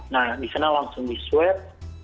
nah disana langsung di swab